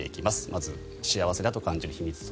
まず幸せだと感じる秘密